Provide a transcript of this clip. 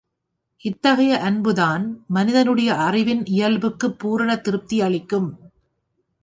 இதுத்தகைய அன்புதான் மனிதனுடைய அறிவின் இயல்புக்கு பூரணத் திருப்தி யளிக்கும்.